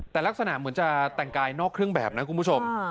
แต่ลักษณะเหมือนจะแต่งกายนอกเครื่องแบบนะคุณผู้ชม